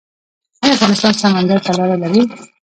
آیا افغانستان سمندر ته لاره لري؟